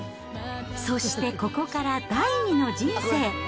そしてここから第２の人生。